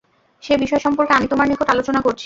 সে বিষয় সম্পর্কে আমি তোমার নিকট আলোচনা করছি।